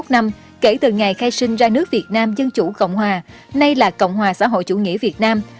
hai mươi năm năm kể từ ngày khai sinh ra nước việt nam dân chủ cộng hòa nay là cộng hòa xã hội chủ nghĩa việt nam